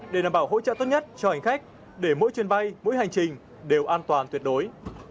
để đảm bảo hỗ trợ tốt nhất cho hành khách để mỗi chuyến bay mỗi hành trình đều an toàn tuyệt đối